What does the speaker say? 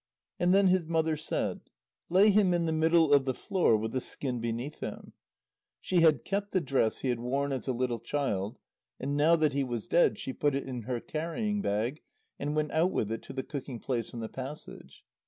And then his mother said: "Lay him in the middle of the floor with a skin beneath him." She had kept the dress he had worn as a little child, and now that he was dead, she put it in her carrying bag, and went out with it to the cooking place in the passage.